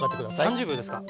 ３０秒ですか。